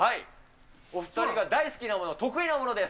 お２人が大好きなもの、得意なものです。